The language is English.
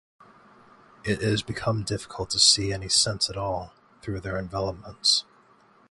It is become difficult to see any sense at all, through their envelopments.